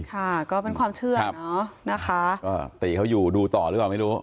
ค่ะก็เป็นความเชื่อเนอะนะคะก็ตีเขาอยู่ดูต่อหรือเปล่าไม่รู้